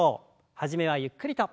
初めはゆっくりと。